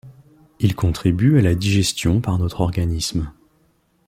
Il contribue à la digestion par notre organisme.